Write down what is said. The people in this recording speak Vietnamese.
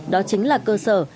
đó chính là cơ sở